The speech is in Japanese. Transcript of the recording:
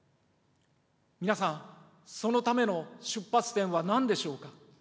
皆さん、そのための出発点はなんでしょうか。